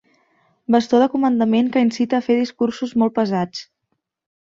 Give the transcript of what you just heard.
Bastó de comandament que incita a fer discursos molt pesats.